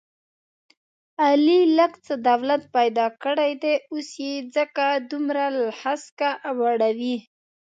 علي لږ څه دولت پیدا کړی دی، اوس یې ځکه دومره هسکه وړوي...